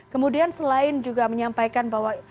kemudian selain juga menyampaikan bahwa